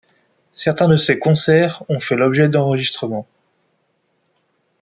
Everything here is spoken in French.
Certains de ces concerts ont fait l'objet d'enregistrements.